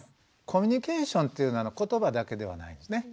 コミュニケーションというのは言葉だけではないですね。